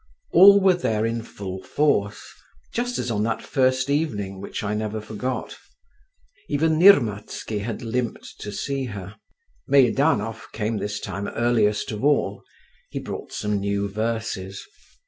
All were there in full force, just as on that first evening which I never forgot; even Nirmatsky had limped to see her; Meidanov came this time earliest of all, he brought some new verses.